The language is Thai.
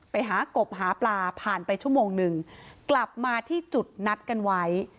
หากบหาปลาผ่านไปชั่วโมงหนึ่งกลับมาที่จุดนัดกันไว้